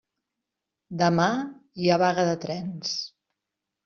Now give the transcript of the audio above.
Demà hi ha vaga de trens.